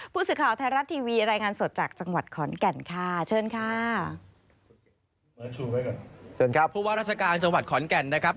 ผู้ว่าราชการจังหวัดขอนแก่นนะครับ